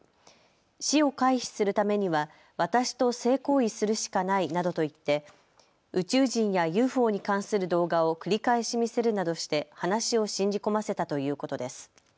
死を回避するためには私と性行為するしかないなどと言って宇宙人やＵＦＯに関する動画を繰り返し見せるなどして話を信じ込ませたということです。